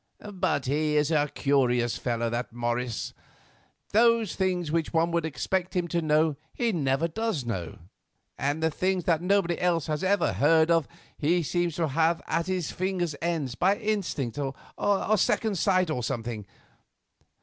But he is a curious fellow, Morris; those things which one would expect him to know he never does know; and the things that nobody else has ever heard of he seems to have at his fingers' ends by instinct, or second sight, or something.